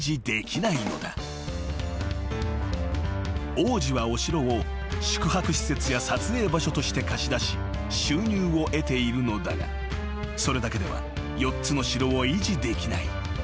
［王子はお城を宿泊施設や撮影場所として貸し出し収入を得ているのだがそれだけでは４つの城を維持できない］